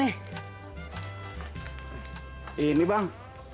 selamat siang bang